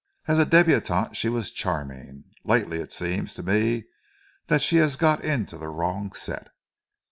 As a debutante she was charming. Lately it seems to me that she has got into the wrong set."